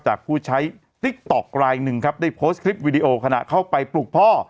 ผู้ใช้ติ๊กต๊อกลายหนึ่งครับได้โพสต์คลิปวิดีโอขณะเข้าไปปลุกพ่อ